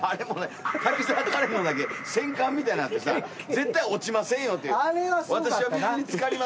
滝沢カレンのだけ戦艦みたいになってさ絶対落ちませんよっていう私は水に浸かりませんよ。